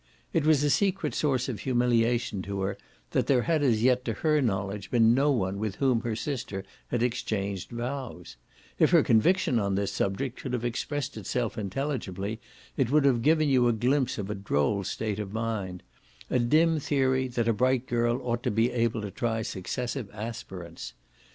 It was a secret source of humiliation to her that there had as yet to her knowledge been no one with whom her sister had exchanged vows; if her conviction on this subject could have expressed itself intelligibly it would have given you a glimpse of a droll state of mind a dim theory that a bright girl ought to be able to try successive aspirants.